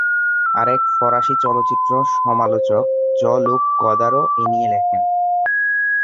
আরেক ফরাসি চলচ্চিত্র সমালোচক জঁ-ল্যুক গদার-ও এ নিয়ে লেখেন।